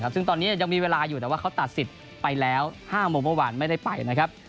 ซึ่งตอนนี้ยังมีเวลาอยู่แต่ว่าเขาตัดสิทธิ์ไปแล้ว๕โมงเมื่อวานไม่ได้ไปนะครับ